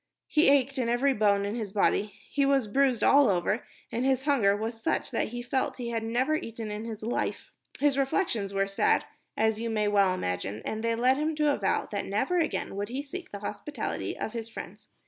He ached in every bone in his body, he was bruised all over, and his hunger was such that he felt he had never eaten in his life. His reflections were sad, as you may well imagine, and they led him to a vow that never again would he seek the hospitality of his friends.